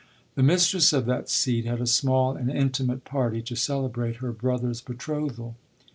The mistress of that seat had a small and intimate party to celebrate her brother's betrothal.